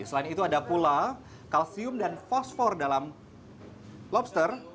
selain itu ada pula kalsium dan fosfor dalam lobster